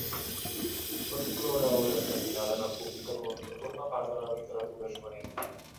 Pot incloure obres destinades al públic adult o formar part de la literatura juvenil.